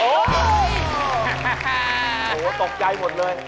โอ้โหตกใจหมดเลย